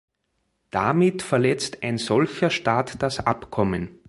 Damit verletzt ein solcher Staat das Abkommen.